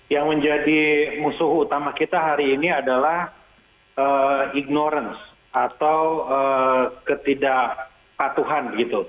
yang menjadi musuh utama kita hari ini adalah ignorance atau ketidakpatuhan